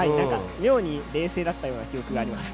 妙に冷静だった記憶があります。